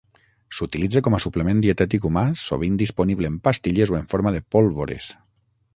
S'utilitza com a suplement dietètic humà sovint disponible en pastilles o en forma de pólvores.